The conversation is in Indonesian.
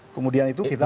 kemudian itu kita